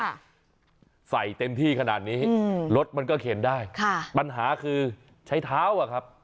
ใส่เต็มที่ขนาดนี้อืมรถมันก็เข็นได้ค่ะปัญหาคือใช้เท้าอ่ะครับ